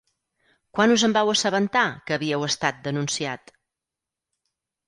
Quan us en vau assabentar que havíeu estat denunciat?